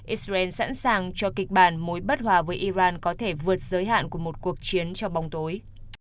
israel sẵn sàng cho kịch bản mối bất hòa với iran có thể vượt giới hạn của một cuộc chiến cho bóng tối